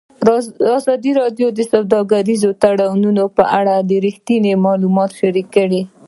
ازادي راډیو د سوداګریز تړونونه په اړه رښتیني معلومات شریک کړي.